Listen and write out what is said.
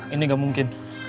ini gak mungkin